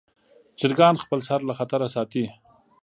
چرګان خپل سر له خطره ساتي.